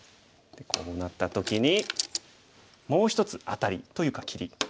こうなった時にもう１つアタリというか切り。